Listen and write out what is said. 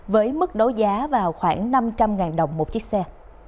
với mức đấu giá vào khoảng năm trăm linh đồng một chiếc xe